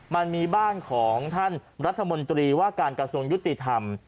มันมีบ้านของท่านรัฐมนตรีว่าการกระทรวงยุติธรรม